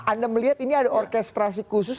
anda melihat ini ada orkestrasi khusus